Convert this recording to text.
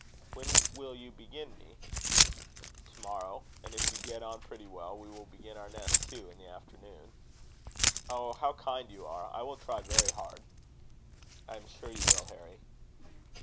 "When will you begin me?" "To morrow. And if you get on pretty well, we will begin our nest, too, in the afternoon." "Oh, how kind you are! I will try very hard." "I am sure you will, Harry."